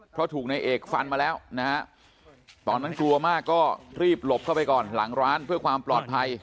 เพราะถูกในเอกฟันมาแล้วนะฮะตอนนั้นกลัวมากก็รีบหลบเข้าไปก่อนหลังร้านเพื่อความปลอดภัย